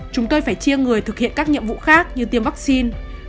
chúng tôi phải chia người thực hiện các nhiệm vụ khác như tiêm vaccine